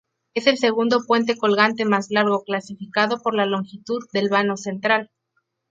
Es el segundo puente colgante más largo clasificado por la longitud del vano central.